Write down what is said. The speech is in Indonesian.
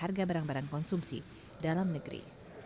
harga barang barang konsumsi dalam negeri